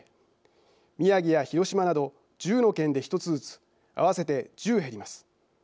宮城や広島など１０の県で１つずつ合わせて１０減ります。